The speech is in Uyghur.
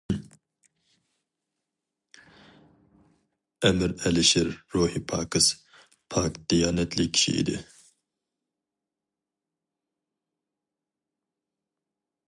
ئەمىر ئەلىشىر روھى پاكىز، پاك-دىيانەتلىك كىشى ئىدى.